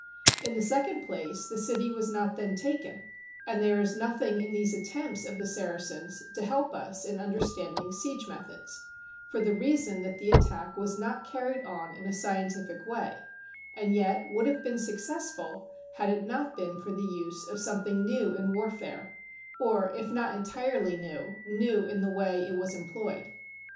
In the second place, the city was not then taken, and there is nothing in these attempts of the Saracens to help us in understanding siege methods, for the reason that the attack was not carried on in a scientific way and yet would have been successful had it not been for the use of some thing new in warfare, or if not entirely new, new in the way it was employed.